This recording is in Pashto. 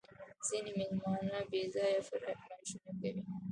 ځیني مېلمانه بېځایه فرمایشونه کوي